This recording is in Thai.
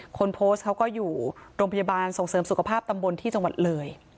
คนโพสต์เขาก็อยู่โรงพยาบาลส่งเสริมสุขภาพตำบลที่จังหวัดเลย